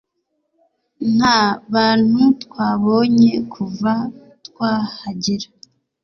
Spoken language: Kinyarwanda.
Nta bantu twabonye kuva twahagera,